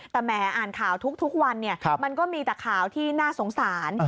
แต่แหมอ่านข่าวทุกวันมันก็มีแต่ข่าวที่น่าสงสาร